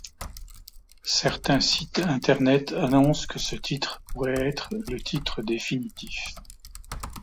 Certains sites Internet annoncent que ce titre pourrait être le titre définitif.